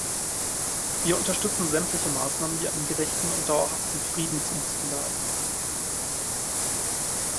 Wir unterstützen sämtliche Maßnahmen, die einen gerechten und dauerhaften Frieden zum Ziel haben.